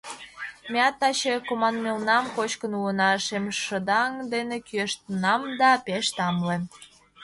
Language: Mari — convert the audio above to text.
Меат таче команмелнам кочкын улына, шемшыдаҥ дене кӱэштынам да, пеш тамле...